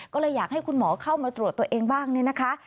ก็เลยอยากให้คุณหมอเข้ามาตรวจตัวเองบ้างเนี่ยนะคะ